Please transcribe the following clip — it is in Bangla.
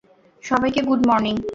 সবাইকে, গুড মর্নিং!